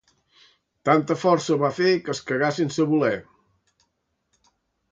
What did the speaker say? Tanta força va fer, que es cagà sense voler.